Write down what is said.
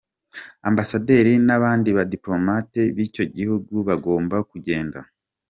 Ambasaderi n’abandi badipolomate b’icyo gihugu bagomba kugenda.